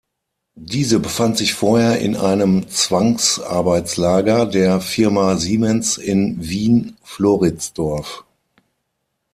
Diese befand sich vorher in einem Zwangsarbeitslager der Firma Siemens in Wien-Floridsdorf.